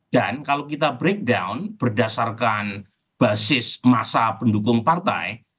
kalau kita breakdown berdasarkan basis masa pendukung partai